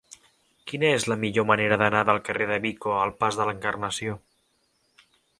Quina és la millor manera d'anar del carrer de Vico al pas de l'Encarnació?